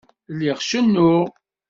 Lliɣ cennuɣ.